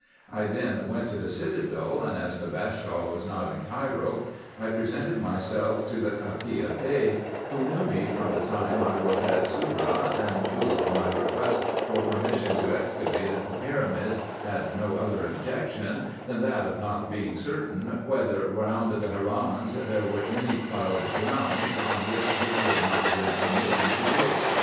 I then went to the citadel, and as the Bashaw was not in Cairo, I presented IN EGYPT, NUBIA, &c 259 myself to the Kakia Bey, who knew me from the time I was at Soubra, and who, on my request for permission to excavate at the pyramids, had no other objection, than that of not being certain, whether round the harrans there were any ploughed grounds, on which he could not grant permission to dig.